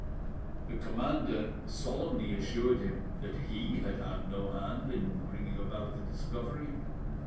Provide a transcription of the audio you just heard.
The commander solemnly assured him that he had had no hand in bringing about the discovery.